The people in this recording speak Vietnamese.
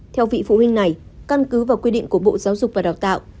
theo vị phụ huynh này căn cứ vào quy định của bộ giáo dục và đào tạo